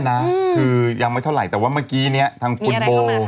อันนี้คือยำไว้เท่าไหร่แต่ว่าเมื่อกี้ทางคุณโบ